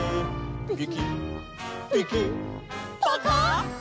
「ピキピキパカ！」